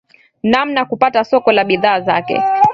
namna kupata soko la bidhaa zake